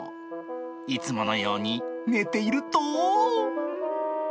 いつものように寝ていると。